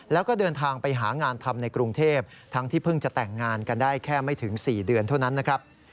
แล้วก็เดินทางไปหางานทำในกรุงเทพทั้งที่เพิ่งจะแต่งงานกันได้แค่ไม่ถึง๔เดือนเท่านั้นนะครับ